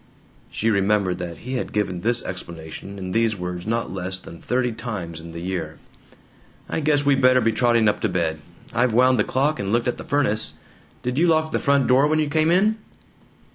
(She remembered that he had given this explanation, in these words, not less than thirty times in the year.) "I guess we better be trotting up to bed. I've wound the clock and looked at the furnace. Did you lock the front door when you came in?"